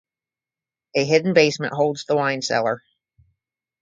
A hidden basement holds the wine cellar.